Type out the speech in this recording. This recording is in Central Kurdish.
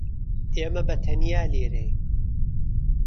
ئێمە بەتەنیا لێرەین.